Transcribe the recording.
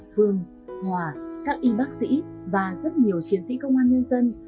hương hòa các y bác sĩ và rất nhiều chiến sĩ công an nhân dân